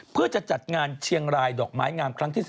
เพื่อจะจัดงานเชียงรายดอกไม้งามครั้งที่๔